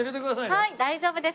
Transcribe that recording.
はい大丈夫です。